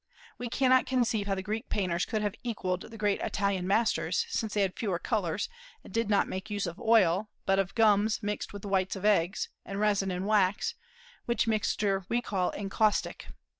We cannot conceive how the Greek painters could have equalled the great Italian masters, since they had fewer colors, and did not make use of oil, but of gums mixed with the white of eggs, and resin and wax, which mixture we call "encaustic."